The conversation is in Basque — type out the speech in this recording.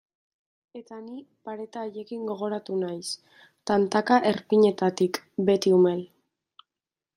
Eta ni pareta haiekin gogoratu naiz, tantaka erpinetatik, beti umel.